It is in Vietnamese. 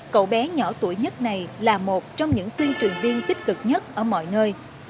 cậu bé nhỏ tuổi nhất này là một trong những tuyên truyền viên tích cực nhất ở mọi nơi